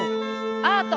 アート！